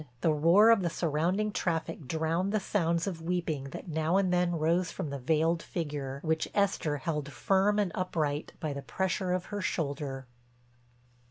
The roar of the surrounding traffic drowned the sounds of weeping that now and then rose from the veiled figure, which Esther held firm and upright by the pressure of her shoulder.